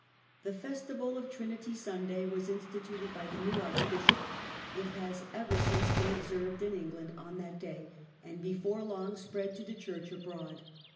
The festival of Trinity Sunday was instituted by the new archbishop: it has ever since been observed in England on that day, and before long spread to the church abroad.